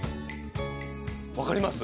分かります？